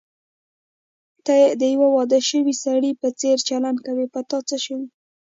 ته د یوه واده شوي سړي په څېر چلند کوې، په تا څه شوي؟